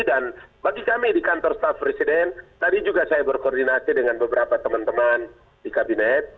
dan bagi kami di kantor staff presiden tadi juga saya berkoordinasi dengan beberapa teman teman di kabinet